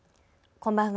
こんばんは。